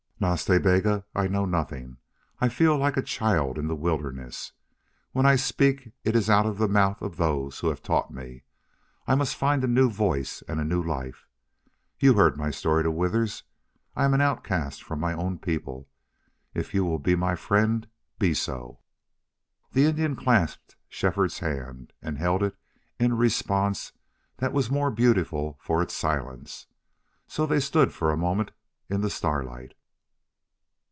"Nas Ta Bega, I know nothing. I feel like a child in the wilderness. When I speak it is out of the mouths of those who have taught me. I must find a new voice and a new life.... You heard my story to Withers. I am an outcast from my own people. If you will be my friend be so." The Indian clasped Shefford's hand and held it in a response that was more beautiful for its silence. So they stood for a moment in the starlight.